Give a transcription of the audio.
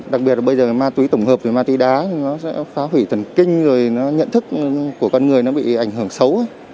đặc biệt là bây giờ ma túy tổng hợp rồi ma túy đá nó sẽ phá hủy thần kinh rồi nó nhận thức của con người nó bị ảnh hưởng xấu